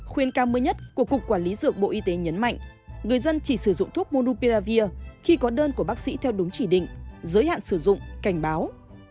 khuyên cao mới nhất của cục quản lý dược bộ y tế nhấn mạnh người dân chỉ sử dụng thuốc munupiravir khi có đơn của bác sĩ theo đúng chỉ định giới hạn sử dụng cảnh báo